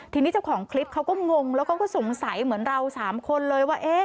ทีนี้เจ้าของคลิปเขาก็งงแล้วก็สงสัยเหมือนเรา๓คนเลยว่า